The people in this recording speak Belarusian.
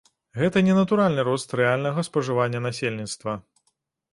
Гэта не натуральны рост рэальнага спажывання насельніцтва.